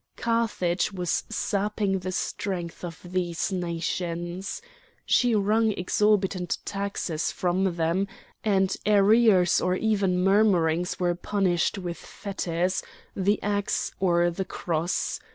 Carthage was sapping the strength of these nations. She wrung exorbitant taxes from them, and arrears or even murmurings were punished with fetters, the axe, or the cross.